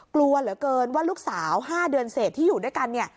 กลัวเหลือเกินว่าลูกสาว๕เดือนเสร็จที่อยู่ด้วยกันเนี่ย